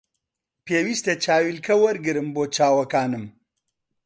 پێویستە چاویلکە وەرگرم بۆ چاوەکانم